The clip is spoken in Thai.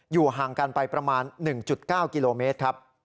อยู่ห่างกันไปประมาณ๑๙กิโลเมตร